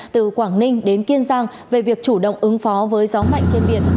từ quảng ninh đến kiên giang về việc chủ động ứng phó với gió mạnh trên biển